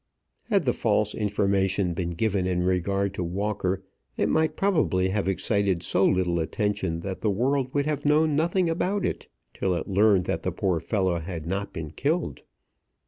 Had the false information been given in regard to Walker it might probably have excited so little attention that the world would have known nothing about it till it learned that the poor fellow had not been killed.